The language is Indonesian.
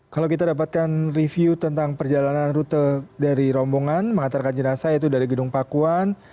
kalau kita dapatkan review tentang perjalanan rute dari rombongan mengantarkan jenazah yaitu dari gedung pakuan